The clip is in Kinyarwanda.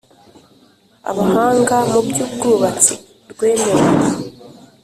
Abahanga mu by ubwubatsi rwemewe